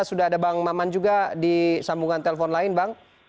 sudah ada bang maman juga di sambungan telepon lain bang